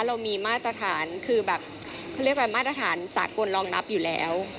เรามีมาตรฐานคือแบบเขาเรียกว่ามาตรฐานสากลรองนับอยู่แล้ว